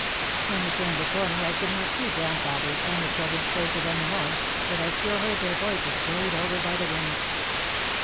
When we turned the corner I could not see grand father's and the children's faces any more but I still heard their voices carried over by the wind.